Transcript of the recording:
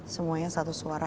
semuanya satu suara